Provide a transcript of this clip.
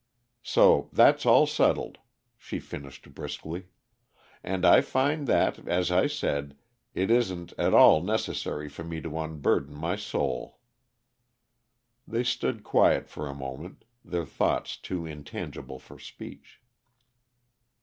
So that's all settled," she finished briskly, "and I find that, as I said, it isn't at all necessary for me to unburden my soul." They stood quiet for a moment, their thoughts too intangible for speech.